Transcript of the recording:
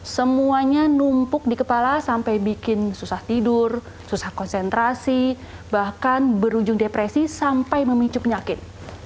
semuanya numpuk di kepala sampai bikin susah tidur susah konsentrasi bahkan berujung depresi sampai memicu penyakit